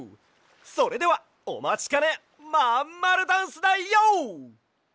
それではおまちかね「まんまるダンス」だＹＯ！